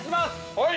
◆はい！